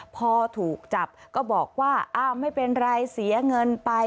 พอถูกจับก็บอกว่าอ้าวไม่เป็นไรเสียเงินไป